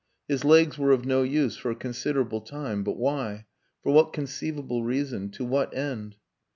His legs were of no use for a considerable time.... But why? For what conceivable reason? To what end?